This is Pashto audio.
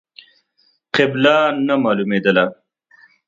قبله نه مالومېدله.